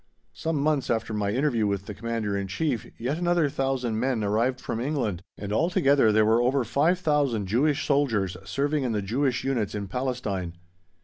Some months after my interview with the Commander in Chief yet another thousand men arrived from England, and altogether there were over five thousand Jewish soldiers serving in the Jewish units in Palestine.